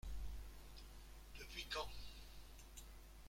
Depuis quand ?